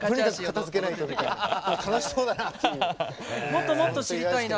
もっともっと知りたいな。